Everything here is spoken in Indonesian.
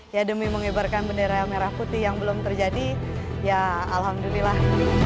ya demi mengibarkan bendera merah putih yang belum terjadi ya alhamdulillah